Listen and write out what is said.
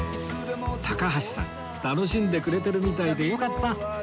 高橋さん楽しんでくれてるみたいでよかった